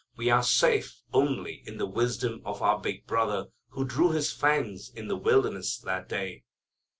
We are safe only in the wisdom of our big Brother who drew his fangs in the wilderness that day.